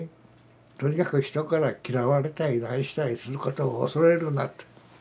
とにかく人から嫌われたり何したりすることを恐れるなと。